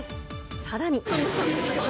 さらに。